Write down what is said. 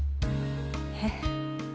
えっ？